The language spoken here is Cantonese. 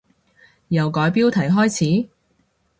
由改標題開始？